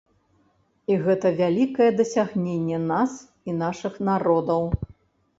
І гэта вялікае дасягненне нас і нашых народаў.